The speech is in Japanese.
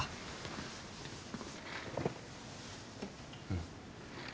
うん。